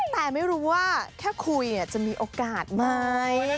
แต่ไม่รู้ว่าแค่คุยจะมีโอกาสไหม